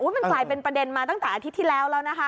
มันกลายเป็นประเด็นมาตั้งแต่อาทิตย์ที่แล้วแล้วนะคะ